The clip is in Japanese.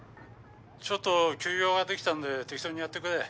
ちょっと急用ができたんで適当にやってくれ。